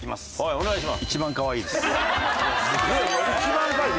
お願いします！